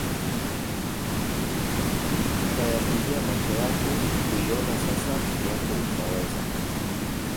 ukayatumia macho yako kuiona sasa yako ukaweza